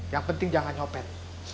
yang penting jangan nyopet